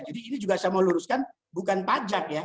jadi ini juga saya mau luruskan bukan pajak ya